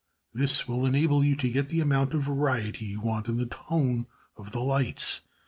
This will enable you to get the amount of variety you want in the tone of the lights.